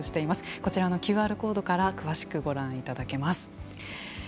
こちらのＱＲコードから詳しくご覧いただけます。